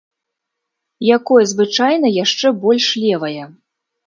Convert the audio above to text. Якое звычайна яшчэ больш левае.